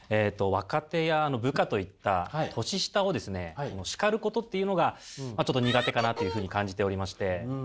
若手や部下といった年下をですね叱ることっていうのがちょっと苦手かなというふうに感じておりまして。